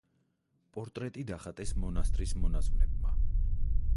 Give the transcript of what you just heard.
პორტრეტი დახატეს მონასტრის მონაზვნებმა.